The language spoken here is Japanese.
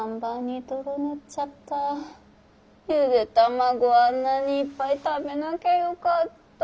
ゆで卵あんなにいっぱい食べなきゃよかった。